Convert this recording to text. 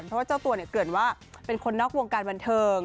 เพราะว่าเจ้าตัวเนี่ยเกริ่นว่าเป็นคนนอกวงการบันเทิง